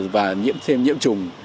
và nhiễm thêm nhiễm trùng